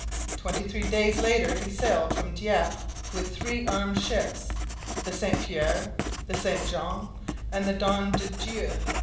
Twenty three days later he sailed from Dieppe with three armed ships, the St Pierre, the St Jean, and the Don de Dieu.